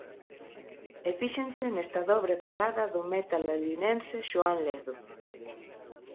E fíxense nesta dobre parada do meta lalinense Xoán Ledo.